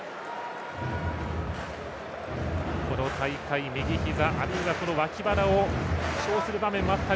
この大会右ひざ、あるいは脇腹を負傷する場面もあった